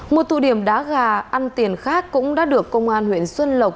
một tụ điểm đá gà ăn tiền khác cũng đã được công an huyện xuân lộc